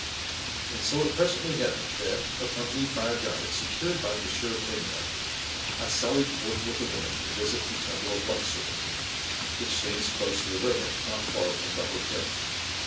And so it presently happened that, accompanied by a guide secured by M. Pagnon, I sallied forth with the women to visit the Temple of Luxor, which stands close to the river not far from the hotel.